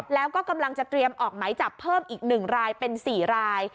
แล้วก็กำลังจะเตรียมออกไหมจับเพิ่มอีก๑รายเป็น๔ราย